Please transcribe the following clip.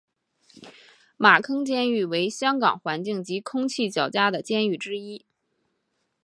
马坑监狱为香港环境及空气较佳的监狱之一。